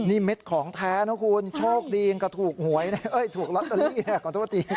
นี่เม็ดของแท้นะคุณโชคดียังกระถูกหวยนะเอ้ยถูกลอตเตอรี่ขอโทษที